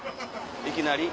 いきなり？